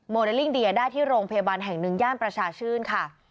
เลลิ่งเดียได้ที่โรงพยาบาลแห่งหนึ่งย่านประชาชื่นค่ะ